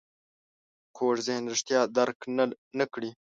کوږ ذهن رښتیا درک نه کړي